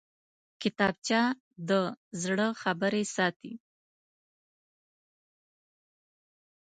کتابچه د زړه خبرې ساتي